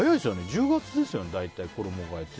１０月ですよね、大体衣替えって。